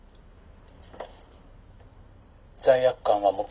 「罪悪感は持つな」。